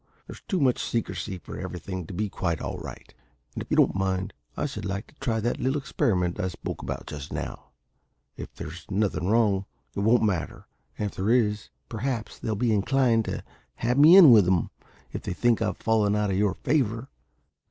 There's too much secrecy for everything to be quite right. And, if you don't mind, I should like to try that little experiment I spoke about just now; if there's nothing wrong it won't matter, and if there is, perhaps they'll be inclined to have me in with 'em, if they think I've fallen out of your favour."